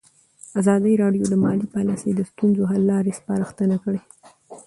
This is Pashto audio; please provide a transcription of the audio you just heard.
ازادي راډیو د مالي پالیسي د ستونزو حل لارې سپارښتنې کړي.